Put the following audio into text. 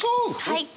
はい！